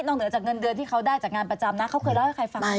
เหนือจากเงินเดือนที่เขาได้จากงานประจำนะเขาเคยเล่าให้ใครฟัง